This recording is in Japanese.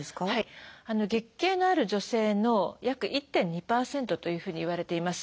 月経のある女性の約１．２％というふうにいわれています。